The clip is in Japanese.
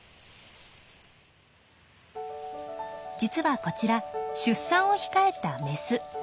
実はこちら出産を控えたメス。